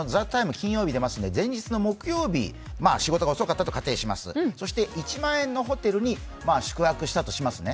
金曜日に出ますので前日の木曜日、仕事が遅かったと仮定します、そして１万円のホテルに宿泊したとしますね。